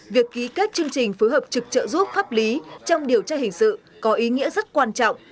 việc ký kết chương trình phối hợp trực trợ giúp pháp lý trong điều tra hình sự có ý nghĩa rất quan trọng